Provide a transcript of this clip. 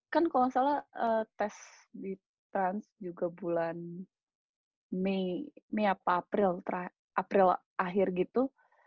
kan kalau nggak salah tes di trans juga bulan mei apa april akhir gitu